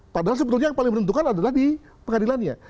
padahal sebetulnya yang paling menentukan adalah di pengadilannya